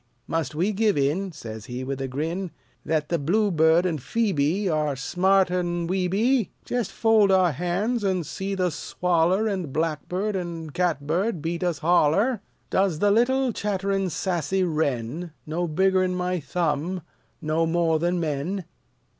Must we give in," says he, with a grin, "That the bluebird an' phoebe Are smarter'n we be? Jest fold our hands an' see the swaller An' blackbird an' catbird beat us holler? Does the little, chatterin', sassy wren, No bigger'n my thumb, know more than men?